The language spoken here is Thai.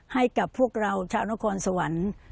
ให้กับพวกเราชาวนครสวรรค์